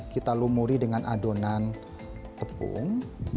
kita lumuri dengan adonan tepung